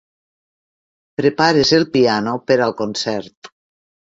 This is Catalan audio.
Prepares el piano per al concert.